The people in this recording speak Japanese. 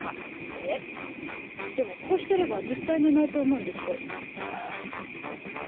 えっでもこうしてれば絶対寝ないと思うんですけど。